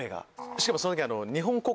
しかもその時。